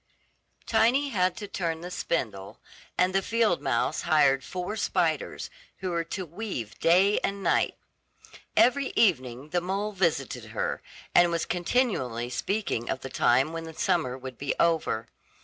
Tiny had to turn the spindle, and the field mouse hired four spiders, who were to weave day and night. Every evening the mole visited her, and was continually speaking of the time when the summer would be over.